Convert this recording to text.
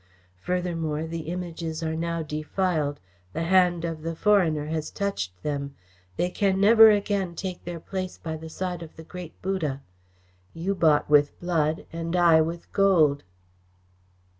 Furthermore, the Images are now defiled. The hand of the foreigner has touched them. They can never again take their place by the side of the Great Buddha. You bought with blood, and I with gold."